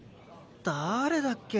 誰だっけ？